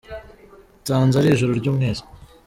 Nsanze ari ijuru ry’umwezi